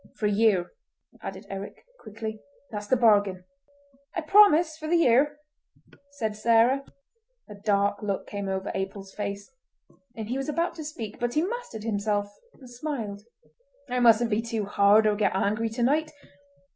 "For a year!" added Eric, quickly, "that's the bargain." "I promise for the year," said Sarah. A dark look came over Abel's face, and he was about to speak, but he mastered himself and smiled. "I mustn't be too hard or get angry tonight!